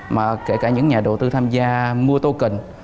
mà kể cả những nhà đầu tư tham gia mua token